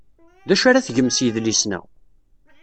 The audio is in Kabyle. D acu ara tgem s yidlisen-a?